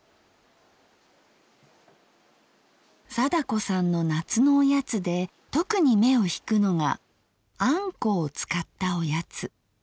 貞子さんの「夏のおやつ」で特に目を引くのが「あんこ」を使ったおやつ。